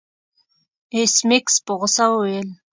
ایس میکس په غوسه وویل